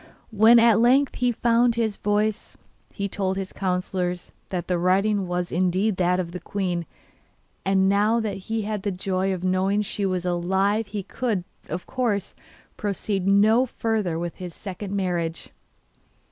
When at length he found his voice he told his councillors that the writing was indeed that of the queen, and now that he had the joy of knowing she was alive he could, of course, proceed no further with his second marriage.